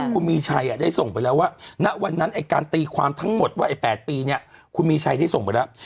คุณมีชัยได้ส่งไปแล้วว่าณวันนั้นไอ้การตีความทั้งหมดว่าไอ้๘ปีเนี่ยคุณมีชัยได้ส่งไปแล้ว